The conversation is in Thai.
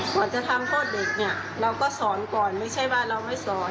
ก่อนจะทำโทษเด็กเนี่ยเราก็สอนก่อนไม่ใช่ว่าเราไม่สอน